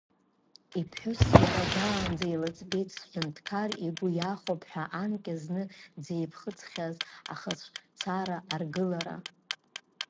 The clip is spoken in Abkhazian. Иԥҳәыс иара даанӡа илыӡбеит сҳәынҭқар игәы иахәап ҳәа анкьа зны дзеиԥхыӡхьаз ахьыҵәцара аргылара.